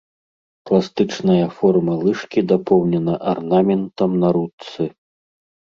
Пластычная форма лыжкі дапоўнена арнаментам на ручцы.